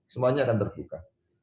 semuanya akan terbuka